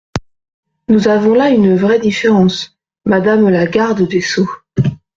Nous avons là une vraie différence, madame la garde des sceaux.